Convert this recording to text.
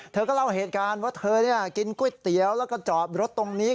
เธอก็เล่าเหตุการณ์ว่าเธอกินก๋วยเตี๋ยวแล้วก็จอดรถตรงนี้